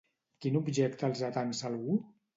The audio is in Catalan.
Quin objecte els atansa algú?